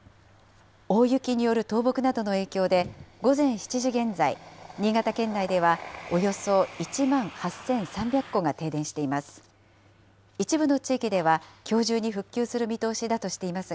大雪による倒木などの影響で、午前７時現在、新潟県内ではおよそ１万８３００戸が停電しています。